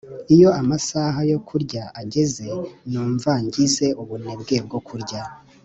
iyo amasaha yo kurya ageze numva ngize ubunebwe bwo kurya